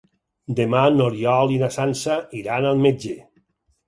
Demà n'Oriol i na Sança iran al metge.